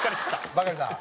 バカリさん。